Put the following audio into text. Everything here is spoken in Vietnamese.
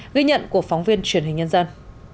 ghi nhận của phóng viên truyền hình nhân dân